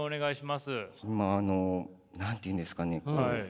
まああの何て言うんですかね？